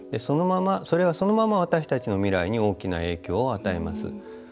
それはそのまま私たちの未来に大きな影響を与えます。